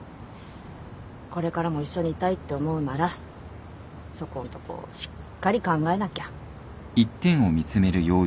これからも一緒にいたいって思うならそこんとこしっかり考えなきゃ。